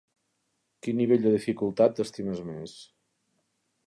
Quin nivell de dificultat t'estimes més?